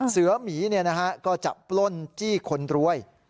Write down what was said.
เสือหมีก็จะปล้นจี้คนรวย